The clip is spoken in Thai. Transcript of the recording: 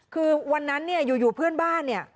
คือวันนั้นอยู่เพื่อนบ้าน